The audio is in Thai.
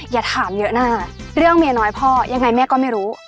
อย่าถามเยอะหน้าเรื่องเมียน้อยพ่อยังไงแม่ก็ไม่รู้